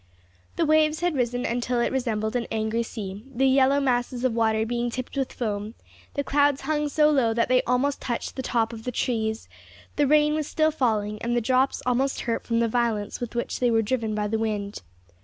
The waves had risen until it resembled an angry sea, the yellow masses of water being tipped with foam; the clouds hung so low that they almost touched the top of the trees; the rain was still falling, and the drops almost hurt from the violence with which they were driven by the wind.